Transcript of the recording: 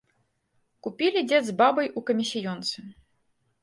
Купілі дзед з бабай у камісіёнцы.